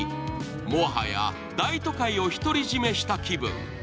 もはや大都会をひとり占めした気分。